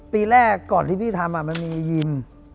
ปีแรกก่อนที่พี่ทำมันมียิม